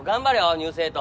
「ニュース８」。